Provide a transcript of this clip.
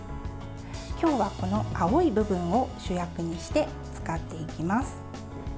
今日はこの青い部分を主役にして使っていきます。